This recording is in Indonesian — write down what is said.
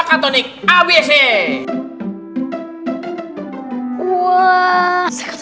tadi temennya luar biasa